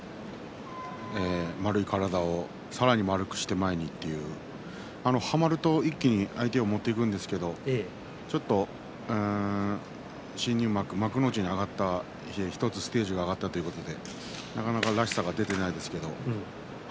丸い体を、さらに丸くして前に出るはまると一気に相手を持っていくんですけれども幕内、１つステージが上がったということで、なかなからしさが出ていないですね。